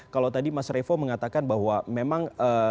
kalau tadi mas revo mengatakan bahwa memang